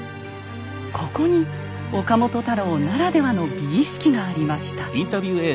ここに岡本太郎ならではの「美意識」がありました。